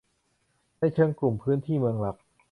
ในเชิงกลุ่มพื้นที่เมืองหลัก